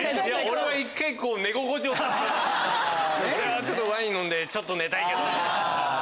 俺はワイン飲んでちょっと寝たいけどね。